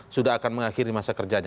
sudah akan mengakhiri masa kerjanya